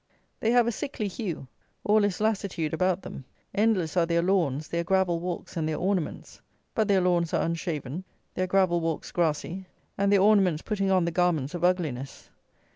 They have a sickly hue: all is lassitude about them: endless are their lawns, their gravel walks, and their ornaments; but their lawns are unshaven, their gravel walks grassy, and their ornaments putting on the garments of ugliness.